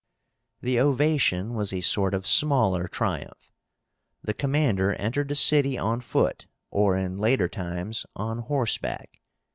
The OVATION was a sort of smaller triumph. The commander entered the city on foot, or in later times on horseback.